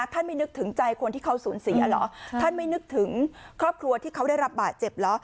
ไม่นึกถึงใจคนที่เขาสูญเสียเหรอท่านไม่นึกถึงครอบครัวที่เขาได้รับบาดเจ็บเหรอ